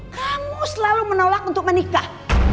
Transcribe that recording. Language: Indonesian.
kamu selalu menolak untuk menikah